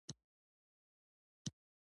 د روڼا ږغ بلوي